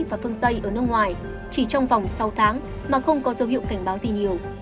và phương tây ở nước ngoài chỉ trong vòng sáu tháng mà không có dấu hiệu cảnh báo gì nhiều